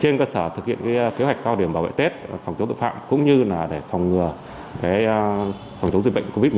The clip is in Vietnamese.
trên cơ sở thực hiện kế hoạch cao điểm bảo vệ tết phòng chống tội phạm cũng như để phòng ngừa phòng chống dịch bệnh covid một mươi